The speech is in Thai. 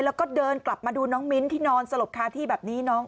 แล้วก็เดินกลับมาดูน้องมิ้นที่นอนสลบคาที่แบบนี้น้อง